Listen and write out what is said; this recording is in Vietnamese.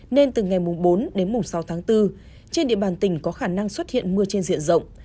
nên từ ngày bốn đến sáu tháng bốn trên địa bàn tỉnh có khả năng xuất hiện mưa trên diện rộng